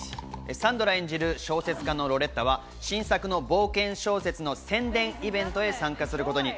サンドラ演じる小説家のロレッタは新作の冒険小説の宣伝イベントへ参加することに。